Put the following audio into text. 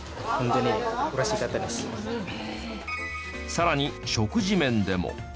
さらに食事面でも。